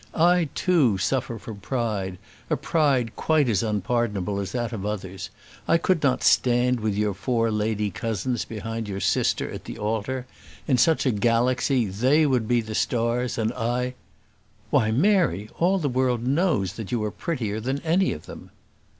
I, too, suffer from pride; a pride quite as unpardonable as that of others: I could not stand with your four lady cousins behind your sister at the altar. In such a galaxy they would be the stars and I " "Why, Mary, all the world knows that you are prettier than any of them!"